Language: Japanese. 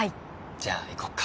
じゃあ行こうか。